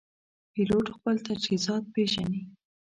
پیلوټ خپل تجهیزات پېژني.